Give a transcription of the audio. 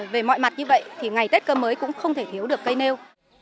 về mọi mặt như vậy thì ngày tết cơm mới cũng không thể thiếu được cây nêu